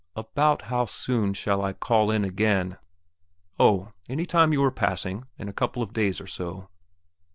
"About how soon shall I call in again?" "Oh, any time you are passing in a couple of days or so."